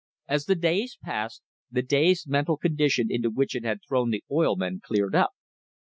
As the days passed, the dazed mental condition into which it had thrown the oil men cleared up.